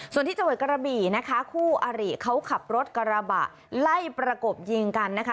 ส่วนที่จังหวัดกระบี่นะคะคู่อาริเขาขับรถกระบะไล่ประกบยิงกันนะคะ